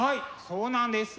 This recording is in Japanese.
そうなんです。